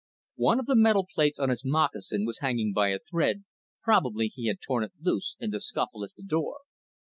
One of the metal plates on his moccasin was hanging by a thread, probably he had torn it loose in the scuffle at the door.